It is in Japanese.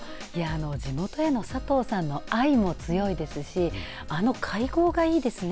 地元への佐藤さんの愛も強いですしあの会合がいいですね。